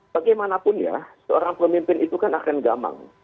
bagaimanapun ya seorang pemimpin itu kan akan gamang